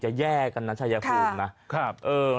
จะแย่กันนะชายภูมินะ